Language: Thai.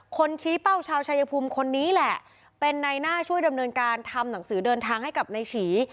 ชี้เป้าชาวชายภูมิคนนี้แหละเป็นในหน้าช่วยดำเนินการทำหนังสือเดินทางให้กับนายฉี